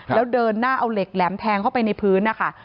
แล้วเดินหน้าเอาเหล็กแหลมแทงเข้าไปในพื้นนะคะ